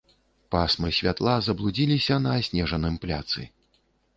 Пасмы святла заблудзіліся на аснежаным пляцы.